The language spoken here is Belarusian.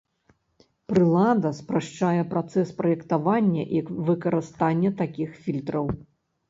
Прылада спрашчае працэс праектавання і выкарыстання такіх фільтраў.